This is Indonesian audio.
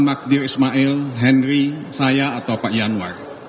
magdir ismail henry saya atau pak yanwar